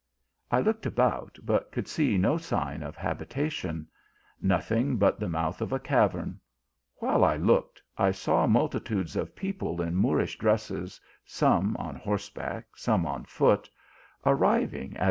" I looked about, but could see no signs of habita tion : nothing but the mouth of a cavern : while 1 looked, 1 saw multitudes of people in Moorish dresses, some on horseback, some on foot, arriving as.